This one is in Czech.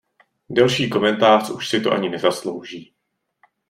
Delší komentář už si to ani nezaslouží.